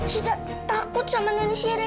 sita takut sama nanti sihir itu